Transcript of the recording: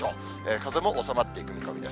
風も収まっていく見込み。